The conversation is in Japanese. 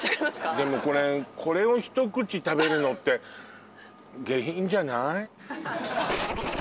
でもこれを一口食べるのって下品じゃない？